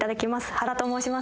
原と申します